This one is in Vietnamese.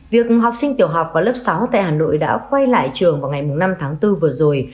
việc học sinh tiểu học và lớp sáu tại hà nội đã quay lại trường vào ngày năm tháng bốn vừa rồi